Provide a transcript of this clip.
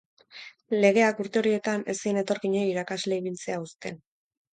Legeak, urte horietan, ez zien etorkinei irakasle ibiltzea uzten.